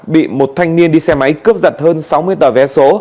bị một thanh niên đi xe máy cướp giật hơn sáu đồng